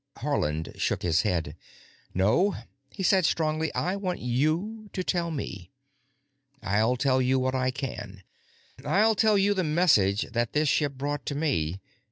Haarland shook his head. "No," he said strongly, "I want you to tell me. I'll tell you what I can. I'll tell you the message that this ship brought to me.